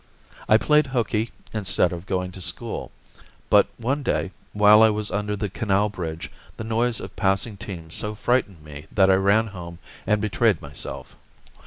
I played hooky instead of going to school; but one day, while I was under the canal bridge, the noise of passing teams so frightened me that I ran home and betrayed myself.